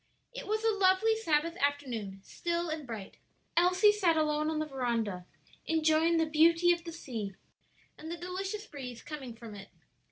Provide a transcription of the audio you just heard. It was a lovely Sabbath afternoon, still and bright; Elsie sat alone on the veranda, enjoying the beauty of the sea and the delicious breeze coming from it.